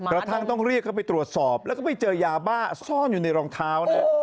กระทั่งต้องเรียกเข้าไปตรวจสอบแล้วก็ไปเจอยาบ้าซ่อนอยู่ในรองเท้านะฮะ